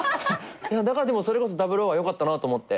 だからでもそれこそ『００』はよかったなと思って。